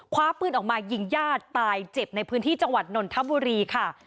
คว้าปืนออกมายิงญาติตายเจ็บในพื้นที่จังหวัดนนทบุรีค่ะ